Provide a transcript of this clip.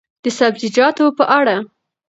د سبزیجاتو په اړه: